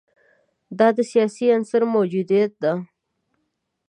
دا د سیاسي عنصر موجودیت ده.